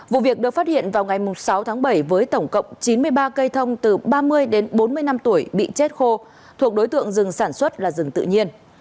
vụ việc được phát hiện vào ngày sáu tháng bảy với tổng cộng chín mươi ba cây thông từ ba mươi đến bốn mươi năm tuổi bị chết khô thuộc đối tượng rừng sản xuất là rừng tự nhiên